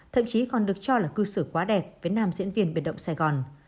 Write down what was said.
thậm chí còn được cho là cư xử quá đẹp với nam diễn viên biệt động sài gòn